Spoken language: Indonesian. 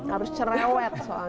harus cerewet soalnya